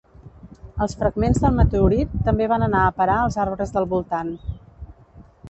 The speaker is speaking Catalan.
Els fragments del meteorit també van anar a parar als arbres del voltant.